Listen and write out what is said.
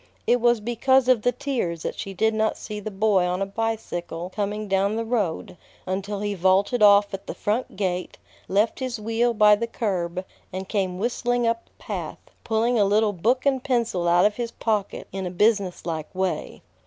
It was because of the tears that she did not see the boy on a bicycle coming down the road, until he vaulted off at the front gate, left his wheel by the curb, and came whistling up the path, pulling a little book and pencil out of his pocket in a business like way.